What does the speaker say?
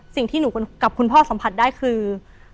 สิ่งที่หนูกับคุณพ่อสัมผัสได้คือ